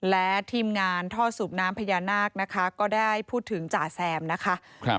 และทีมงานท่อสูบน้ำพญานาคนะคะก็ได้พูดถึงจ่าแซมนะคะ